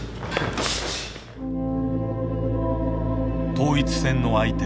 統一戦の相手